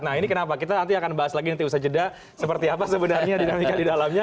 nah ini kenapa kita nanti akan bahas lagi nanti usaha jeda seperti apa sebenarnya dinamika di dalamnya